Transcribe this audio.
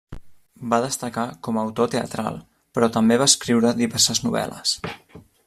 Va destacar com a autor teatral, però també va escriure diverses novel·les.